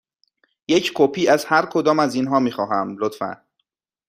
یک کپی از هر کدام از اینها می خواهم، لطفاً.